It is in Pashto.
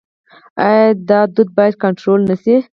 آیا دا دود باید کنټرول نشي؟